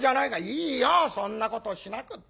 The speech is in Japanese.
「いいよそんなことしなくったって。